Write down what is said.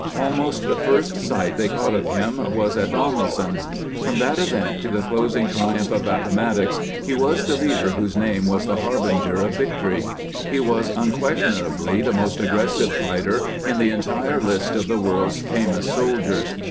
Almost the first sight they caught of him was at Donel son. From that event to the closing triumph of Appo mattox he was the leader whose name was the harbinger of victory. He was unquestionably the most aggressive fighter in the entire list of the world's famous soldiers.